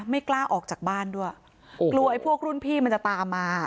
ไม่กล้าออกจากบ้านด้วยกลัวไอ้พวกรุ่นพี่มันจะตามมา